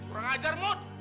orang ajar mut